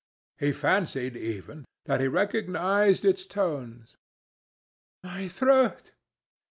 He fancied, even, that he recognized its tones. "My throat!